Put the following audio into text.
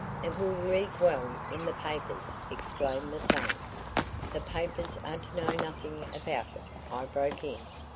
"It will read well in the papers," exclaimed the son. "The papers are to know nothing about it," I broke in.